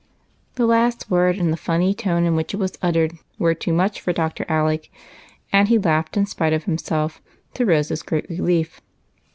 The last word and the funny tone in which it was uttered were too much for Dr. Alec, and he laughed in spite of himself, to Rose's great relief.